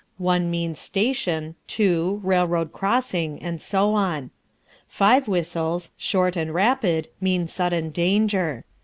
One means "station," two, "railroad crossing," and so on. Five whistles, short and rapid, mean sudden danger.